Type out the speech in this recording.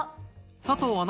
佐藤アナ